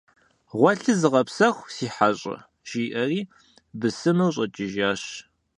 - Гъуэлъи зыгъэпсэху, си хьэщӀэ! - жиӀэри бысымыр щӀэкӀыжащ.